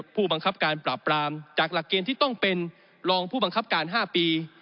ผู้บังคับการปราบปรามจากหลักเกณฑ์ที่ต้องเป็นรองผู้บังคับการ๕ปี